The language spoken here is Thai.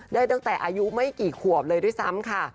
ได้ตั้งแต่อายุไม่กี่ขวบเลยด้วยซ้ำค่ะ